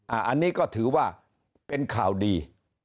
อันนี้ก็ถือว่าเป็นข่าวดี